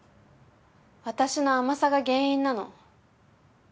私の甘さが原因なの。